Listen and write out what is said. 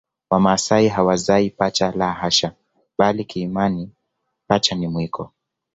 Wamasai hawazai pacha la hasha bali kiimani pacha ni mwiko